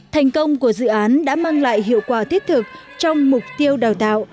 thành công của dự án đã mang lại hiệu quả thiết thực trong mục tiêu đào tạo